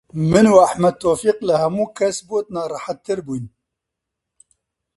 من و ئەحمەد تەوفیق لە هەموو کەس بۆت ناڕەحەتتر بووین